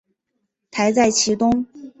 台在其东。